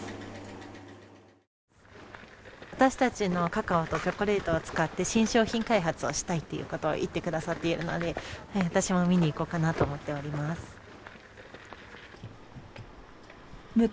私たちのカカオとチョコレートを使って新商品開発をしたいということを言ってくださっているので私も見に行こうかなと思っております。